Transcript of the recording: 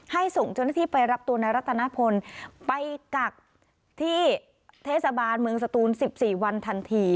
ส่งเจ้าหน้าที่ไปรับตัวนายรัตนพลไปกักที่เทศบาลเมืองสตูน๑๔วันทันที